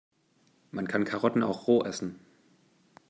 Man kann Karotten auch roh essen.